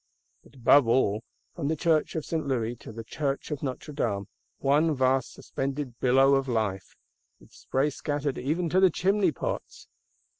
But above all, from the Church of St. Louis to the Church of Notre Dame: one vast suspended billow of Life,—with spray scattered even to the chimney pots!